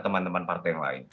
teman teman partai yang lain